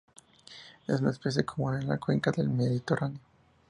Es una especie común en la cuenca del Mediterráneo.